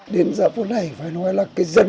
đến giờ phút này phải nói là cái dân